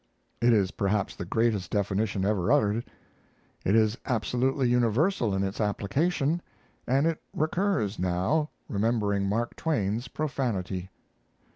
It is perhaps the greatest definition ever uttered. It is absolutely universal in its application, and it recurs now, remembering Mark Twain's profanity.